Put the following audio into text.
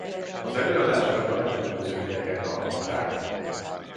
Az előadásokat a legkülönbözőbb helyeken tartották.